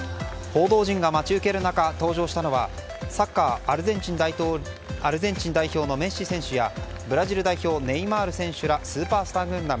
報道陣が待ち受ける中登場したのはサッカー、アルゼンチン代表のメッシ選手やブラジル代表ネイマール選手らスーパースター軍団。